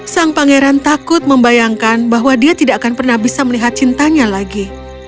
sang pangeran takut membayangkan bahwa dia tidak akan pernah bisa melihat cintanya lagi